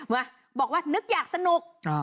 มาบอกว่านึกอยากสนุก